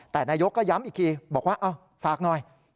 แต่นายกก็ย้ำอีกทีบอกว่าฝากหน่อย